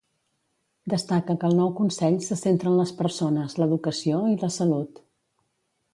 Destaca que el nou Consell se centra en les persones, l'educació i la salut.